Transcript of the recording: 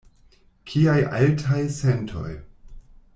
Kiaj altaj sentoj!